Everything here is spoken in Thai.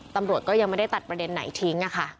ตำรวจก็ยังไม่ได้ตัดประเด็นไหนทิ้ง